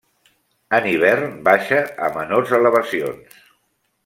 En hivern baixa a menors elevacions.